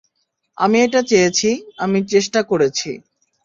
আমি এটা চেয়েছি, আমি চেষ্টা করেছি।